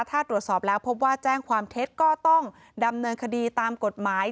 ถ้าตรวจสอบแล้วพบว่าแจ้งความเท็จก็ต้องดำเนินคดีตามกฎหมาย